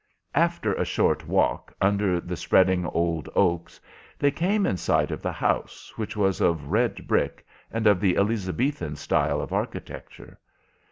After a short walk under the spreading old oaks they came in sight of the house, which was of red brick and of the Elizabethan style of architecture.